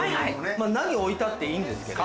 何を置いたっていいんですけど。